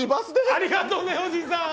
ありがとうねおじさん！